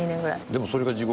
でもそれが地獄？